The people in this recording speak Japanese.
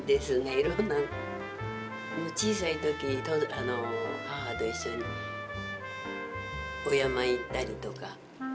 いろんな小さい時母と一緒にお山へ行ったりとか。